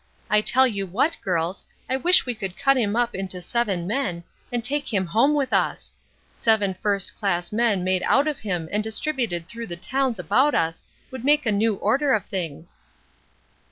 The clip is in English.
I tell you what, girls, I wish we could cut him up into seven men, and take him home with us. Seven first class men made out of him and distributed through the towns about us would make a new order of things."